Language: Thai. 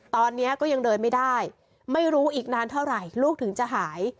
ตอนนี้ก็ยังเดินไม่ได้ไม่รู้อีกนานเท่าไหร่ลูกถึงจะหาย